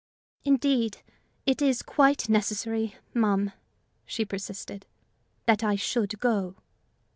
"Indeed, it is quite necessary, ma'am," she persisted, "that I should go."